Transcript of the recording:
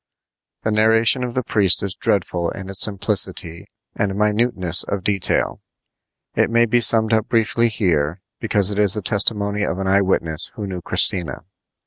The narration of the priest is dreadful in its simplicity and minuteness of detail. It may be summed up briefly here, because it is the testimony of an eye witness who knew Christina.